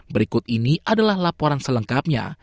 berikut ini adalah laporan selengkapnya